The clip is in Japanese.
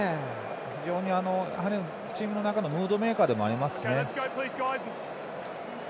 非常にチームの中でもムードメーカーでもありますしね。